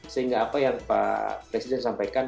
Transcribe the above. sehingga apa yang pak presiden sampaikan